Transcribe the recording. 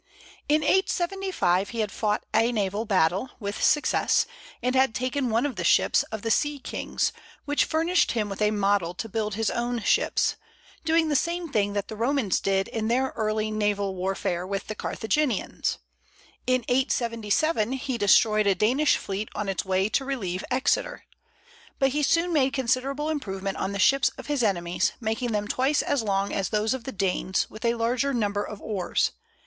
In 875 he had fought a naval battle with success, and had taken one of the ships of the sea kings, which furnished him with a model to build his own ships, doing the same thing that the Romans did in their early naval warfare with the Carthaginians. In 877 he destroyed a Danish fleet on its way to relieve Exeter. But he soon made considerable improvement on the ships of his enemies, making them twice as long as those of the Danes, with a larger number of oars.